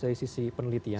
dari sisi penelitian